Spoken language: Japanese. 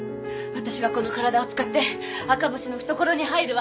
私がこの体を使って赤星の懐に入るわ。